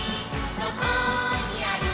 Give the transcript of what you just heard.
どこにある？